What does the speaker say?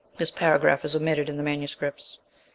This paragraph is omitted in the MSS.